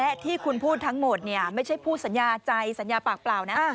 และที่คุณพูดทั้งหมดเนี่ยไม่ใช่ผู้สัญญาใจสัญญาปากเปล่านะ